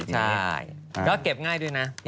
ใช่ก็เก็บง่ายด้วยนะ